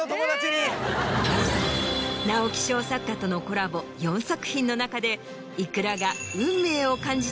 直木賞作家とのコラボ４作品の中でｉｋｕｒａが。